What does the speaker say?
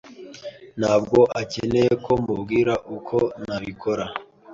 ntabwo akeneye ko mubwira uko nabikora.